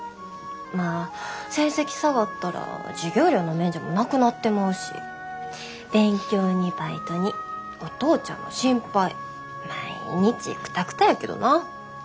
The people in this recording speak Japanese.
まあ成績下がったら授業料の免除もなくなってまうし勉強にバイトにお父ちゃんの心配毎日クタクタやけどな。